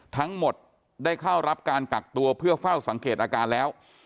ทั้งหมดได้เข้ารับการกักตัวเพื่อเฝ้าสังเกตอาการแล้ว